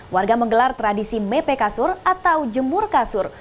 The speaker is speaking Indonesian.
warga menggelar tradisi mep kasur atau jemur kasur